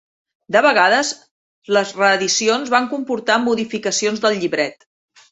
De vegades les reedicions van comportar modificacions del llibret.